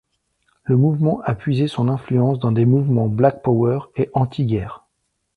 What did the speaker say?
Le mouvement a puisé son influence des mouvements Black Power et anti-guerre.